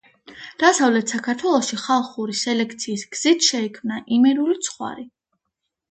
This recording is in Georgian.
დასავლეთ საქართველოში ხალხური სელექციის გზით შეიქმნა იმერული ცხვარი.